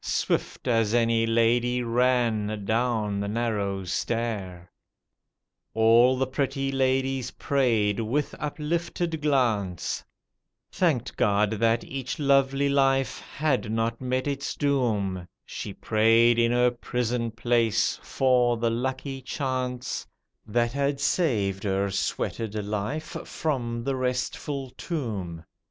Swift as any lady ran down the narrow stair. THE SAD TEARS THE HUMAN TOUCH {Continued) All the pretty ladies prayed, with uplifted glance, Thanked God that each lovely life had not met its doom, She prayed in her prison place for the "lucky chance" That had saved her sweated life from the restful tomb.